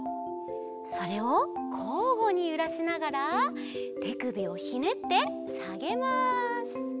それをこうごにゆらしながらてくびをひねってさげます。